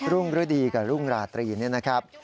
รุ่งฤดีกับรุ่งราตรีนี่นะครับ